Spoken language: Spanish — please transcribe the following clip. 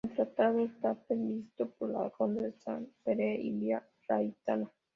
El trazado de esta previsto por la ronda de San Pere y Via Laietana.